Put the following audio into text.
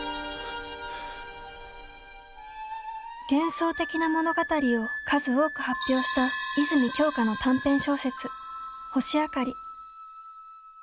幻想的な物語を数多く発表した泉鏡花の短編小説「星あかり」。